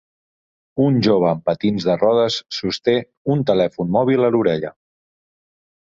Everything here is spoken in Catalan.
Un jove amb patins de rodes sosté un telèfon mòbil a l'orella.